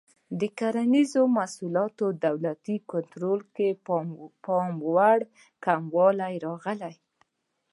د کرنیزو محصولاتو دولتي کنټرول کې پاموړ کموالی راغی.